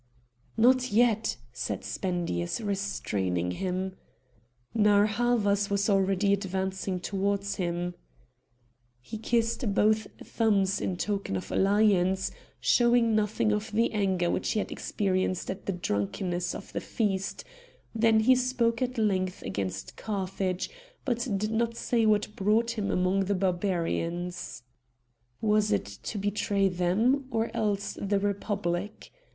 "Not yet!" said Spendius, restraining him. Narr' Havas was already advancing towards him. He kissed both thumbs in token of alliance, showing nothing of the anger which he had experienced at the drunkenness of the feast; then he spoke at length against Carthage, but did not say what brought him among the Barbarians. "Was it to betray them, or else the Republic?"